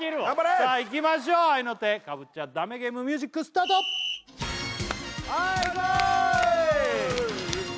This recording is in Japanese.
さあいきましょう合いの手かぶっちゃダメゲームミュージックスタートはいレッツゴー！